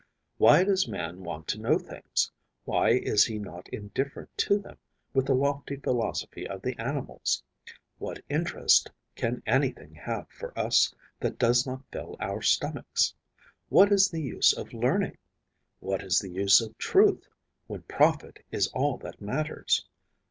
Why does man want to know things? Why is he not indifferent to them, with the lofty philosophy of the animals? What interest can anything have for us that does not fill our stomachs? What is the use of learning? What is the use of truth, when profit is all that matters?